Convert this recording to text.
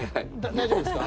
大丈夫ですか？